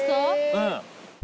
うん。